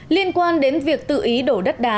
liên quan đến việc tự ý đổ đất đá